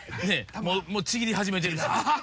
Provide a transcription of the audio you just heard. もうちぎり始めてるし。